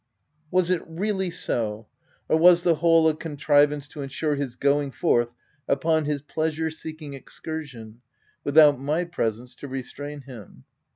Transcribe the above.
Was it really so ?— or was the whole a con trivance to ensure his going forth upon his pleasure seeking excursion, without my presence to restrain him?